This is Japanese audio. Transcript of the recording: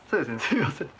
すいません。